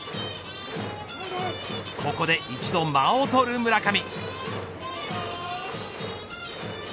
ここで一度、間を取る村上。